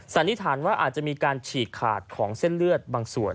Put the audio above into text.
สันนิษฐานว่าอาจจะมีการฉีกขาดของเส้นเลือดบางส่วน